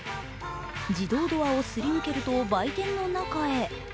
自動ドアをすり抜けると、売店の中へ。